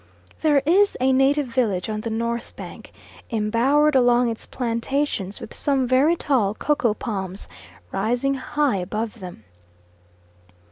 There is a native village on the north bank, embowered along its plantations with some very tall cocoa palms rising high above them.